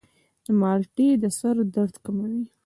مالټې د سر درد کموي.